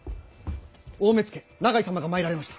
大目付永井様が参られました。